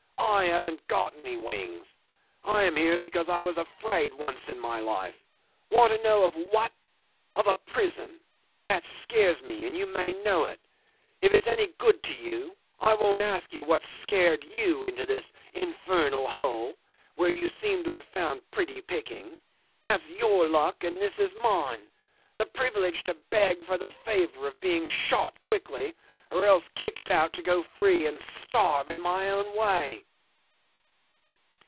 I haven't got any wings. I am here because I was afraid once in my life. Want to know what of? Of a prison. That scares me, and you may know it if it's any good to you. I won't ask you what scared you into this infernal hole, where you seem to have found pretty pickings. That's your luck and this is mine the privilege to beg for the favour of being shot quickly, or else kicked out to go free and starve in my own way.